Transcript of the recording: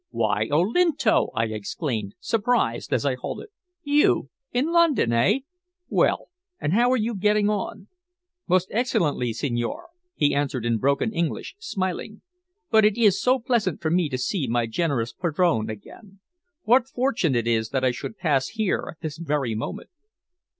"Why, Olinto!" I exclaimed, surprised, as I halted. "You in London eh? Well, and how are you getting on?" "Most excellently, signore," he answered in broken English, smiling. "But it is so pleasant for me to see my generous padrone again. What fortune it is that I should pass here at this very moment!"